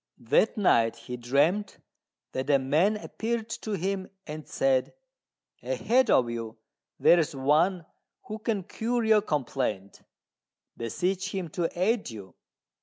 That night he dreamt that a man appeared to him and said, "Ahead of you there is one who can cure your complaint: beseech him to aid you."